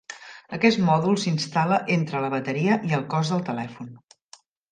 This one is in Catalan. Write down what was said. Aquest mòdul s'instal·la entre la bateria i el cos del telèfon.